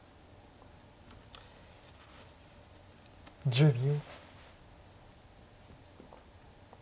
１０秒。